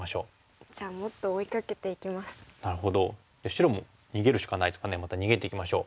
白も逃げるしかないですかねまた逃げていきましょう。